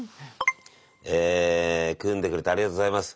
え組んでくれてありがとうございます。